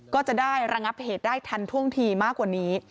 ก็จะได้ระงับเหตุได้ทันท่วงทีมากกว่านี้